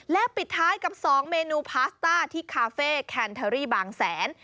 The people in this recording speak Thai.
และปิดท้ายกับ๒เมนูพาสต้าที่คาเฟ่แคนเทอรี่บางแสน